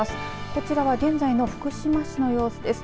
こちらは現在の福島市の様子です。